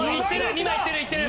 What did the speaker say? ２枚いってるいってる！